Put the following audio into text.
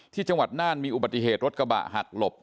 จังหวัดน่านมีอุบัติเหตุรถกระบะหักหลบ